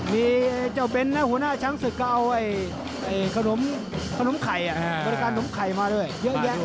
มีเจ้าเบ้นและหัวหน้าชั้นศึกก็เอาขนมไข่มาด้วยเยอะแยะ